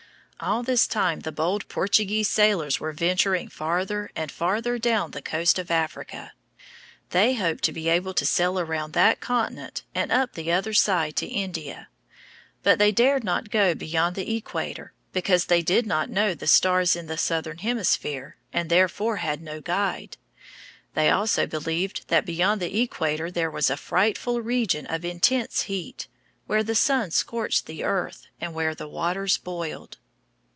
All this time the bold Portuguese sailors were venturing farther and farther down the coast of Africa. They hoped to be able to sail around that continent and up the other side to India. But they dared not go beyond the equator, because they did not know the stars in the southern hemisphere and therefore had no guide. They also believed that beyond the equator there was a frightful region of intense heat, where the sun scorched the earth and where the waters boiled.